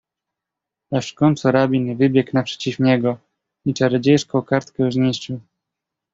"Aż w końcu rabin wybiegł naprzeciw niego i czarodziejską kartkę zniszczył."